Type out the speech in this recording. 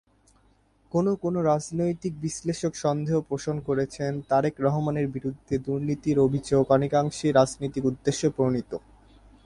কোন কোন রাজনৈতিক বিশ্লেষক সন্দেহ পোষণ করেছেন তারেক রহমানের বিরুদ্ধে দুর্নীতির অভিযোগ অনেকাংশেই রাজনৈতিক উদ্দেশ্য-প্রণোদিত।